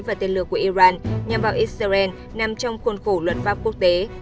và tên lửa của iran nhằm vào israel nằm trong khuôn khổ luật pháp quốc tế